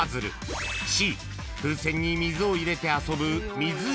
［風船に水を入れて遊ぶ］